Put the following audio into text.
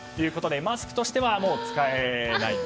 マスクとしては使えない。